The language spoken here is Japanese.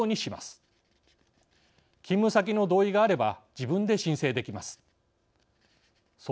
勤務先の同意があれば自分で申請できます。